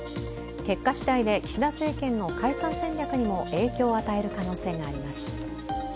結果しだいで岸田政権の解散戦略にも影響を与える可能性があります。